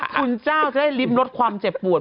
คุณเจ้าจะได้ลิฟต์ลดความเจ็บปวด